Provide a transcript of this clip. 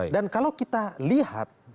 dan kalau kita lihat